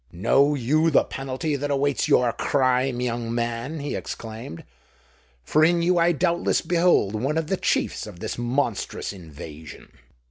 "Know you the penalty that awaits your crime, young man?" he exclaimed; "for in you I doubtless behold one of the chiefs of this monstrous invasion."